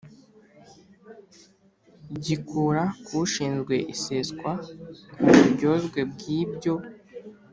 Gikura k ushinzwe iseswa uburyozwe bw ibyo